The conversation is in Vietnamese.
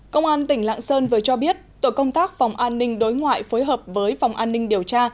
công an tỉnh lạng sơn vừa cho biết tổ công tác phòng an ninh đối ngoại phối hợp với phòng an ninh điều tra